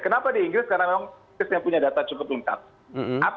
kenapa di inggris karena memang kita punya data cukup lengkap